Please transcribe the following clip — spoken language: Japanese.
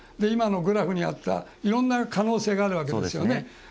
今のグラフにあったいろんな可能性があるわけですよね。